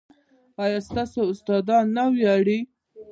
ایا ستاسو استادان نه ویاړي؟